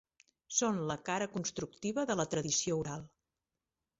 Són la cara constructiva de la tradició oral.